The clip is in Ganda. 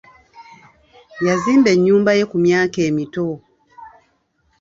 Yazimba ennyumba ye ku myaka emito.